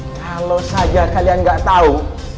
kalau saja kalian nggak tahu